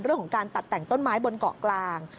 เรื่องของการตัดแต่งต้นไม้บนเกาะกลาง